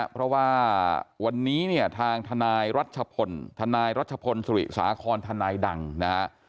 เพราะว่าวันนี้เนี่ยทางทนายรัชพลทนายรัชพลสุริสาครทนายดังนะฮะ